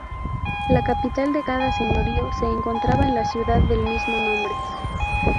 La capital de cada señorío se encontraba en la ciudad del mismo nombre.